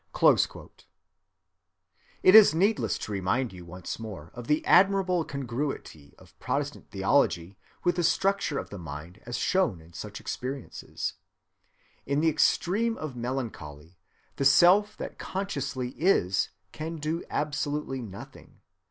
(129) It is needless to remind you once more of the admirable congruity of Protestant theology with the structure of the mind as shown in such experiences. In the extreme of melancholy the self that consciously is can do absolutely nothing.